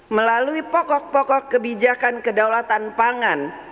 melalui pokok pokok kebijakan kedaulatan pangan